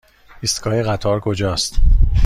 ایستگاه قطار کجاست؟